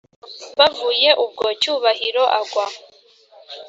bavuye ubwo cyubahiro agwa